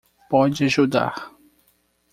Pode ajudar